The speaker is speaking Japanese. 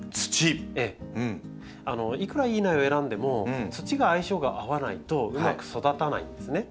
いくらいい苗を選んでも土が相性が合わないとうまく育たないんですね。